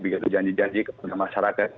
jangan dijanji janji kepada masyarakat